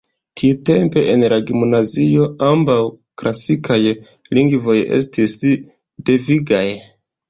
Tiutempe en la gimnazio ambaŭ klasikaj lingvoj estis devigaj.